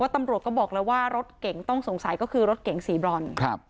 ตำรวจก็บอกแล้วว่ารถเก๋งต้องสงสัยก็คือรถเก๋งสีบรอน